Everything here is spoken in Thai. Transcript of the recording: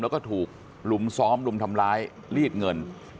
แล้วก็ถูกลุมซ้อมลุมทำร้ายลีดเงิน